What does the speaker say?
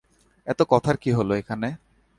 এত কথার কী হলো এখানে?